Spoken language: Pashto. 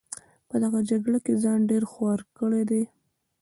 په دغه جګړو کې ځان ډېر خوار کړی دی.